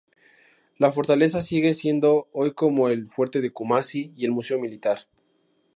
La fortaleza sigue siendo hoy como el fuerte de Kumasi y el museo militar.